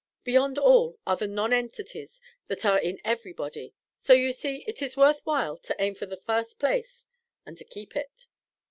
Beyond all, are the nonentities that are in every body. So, you see, it is worth while to aim for the first place and to keep it."